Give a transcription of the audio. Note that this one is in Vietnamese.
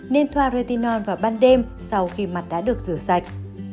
nên thoa retion vào ban đêm sau khi mặt đã được rửa sạch